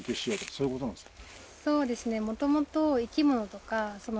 そういうことなんですか？